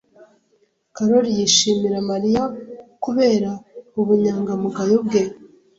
Karoli yishimira Mariya kubera ubunyangamugayo bwe.